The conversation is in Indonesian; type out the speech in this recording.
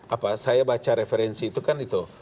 apa saya baca referensi itu kan itu